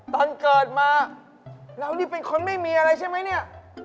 ตอนเกิดมาเรานี่เป็นคนไม่มีอะไรใช่ไหมเนี่ย